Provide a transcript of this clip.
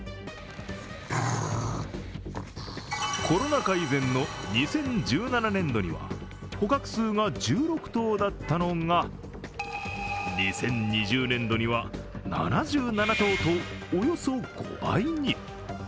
コロナ禍以前の２０１７年度には捕獲数が１６頭だったのが２０２０年度には７７頭とおよそ５倍に。